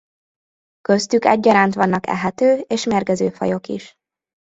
Köztük egyaránt vannak ehető és mérgező fajok is.